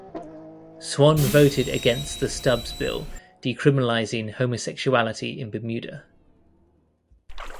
Swan voted against the Stubbs Bill decriminalising homosexuality in Bermuda.